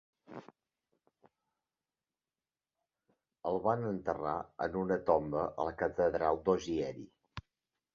El van enterrar en una tomba a la catedral d'Ozieri.